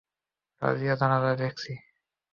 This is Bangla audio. রাজিয়ার জানাযা দেখছি।